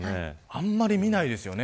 あんまり見ないですよね。